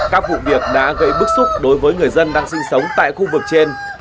các vụ việc đã gây bức xúc đối với người dân đang sinh sống tại khu vực trên